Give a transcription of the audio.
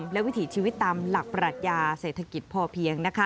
และวิถีชีวิตตามหลักปรัชญาเศรษฐกิจพอเพียง